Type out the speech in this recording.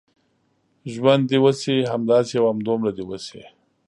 ژوند دې وشي، همداسې او همدومره دې وشي.